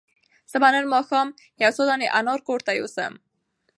زه به نن ماښام یو څو دانې انار کور ته یوسم.